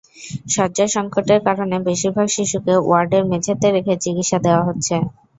শয্যাসংকটের কারণে বেশির ভাগ শিশুকে ওয়ার্ডের মেঝেতে রেখে চিকিৎসা দেওয়া হচ্ছে।